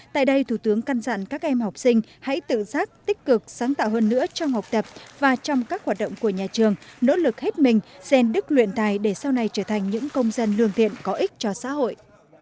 tại đây thủ tướng căn dặn các em học sinh hãy tự giác tích cực sáng tạo hơn nữa trong học tập và trong các hoạt động của nhà trường nỗ lực hết mình xen đức luyện tài để sau này trở thành những công dân lương thiện có ích cho xã hội